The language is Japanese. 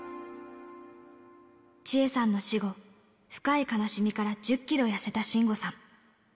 千恵さんの死後、深い悲しみから１０キロ痩せた信吾さん。